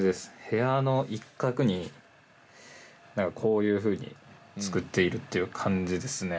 部屋の一角にこういうふうに作っているっていう感じですね。